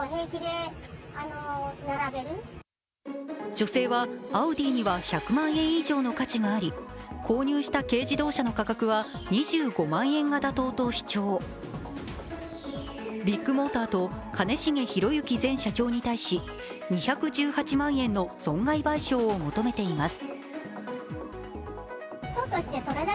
女性は、アウディには１００万円以上の価値があり購入した軽自動車の価格は２５万円が妥当と主張ビッグモーターと兼重宏行前社長に対し、２１８万円の損害賠償を求めています。